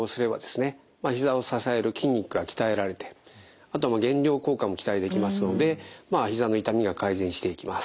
ひざを支える筋肉が鍛えられてあとは減量効果も期待できますのでひざの痛みが改善していきます。